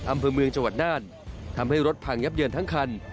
อำเภอเมืองจังหวัดน่านทำให้รถพังยับเยินทั้งคัน